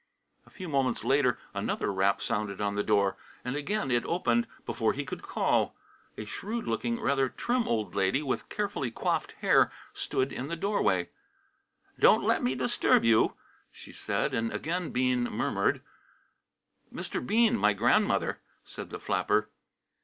A few moments later another rap sounded on the door, and again it opened before he could call. A shrewd looking, rather trim old lady with carefully coiffed hair stood in the doorway. "Don't let me disturb you," she said, and again Bean murmured. "Mr. Bean, my grandmother," said the flapper.